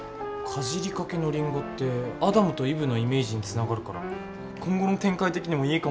かじりかけのリンゴってアダムとイブのイメージにつながるから今後の展開的にもいいかもしれないな。